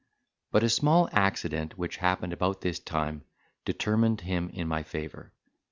But a small accident, which happened about this time, determined him in my favour.